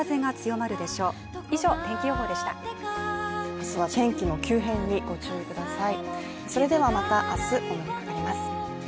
明日は天気の急変にご注意ください。